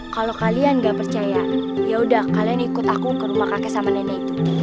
kalo kalian gapercaya yaudah kalian ikut aku ke rumah kakek sama nenek itu